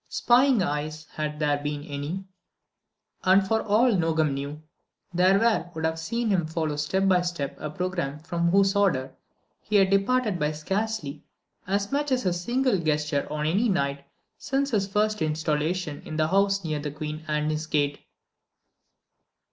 Spying eyes, had there been any—and for all Nogam knew, there were—would have seen him follow step by step a programme from whose order he had departed by scarcely as much as a single gesture on any night since his first installation in the house near Queen Anne's Gate.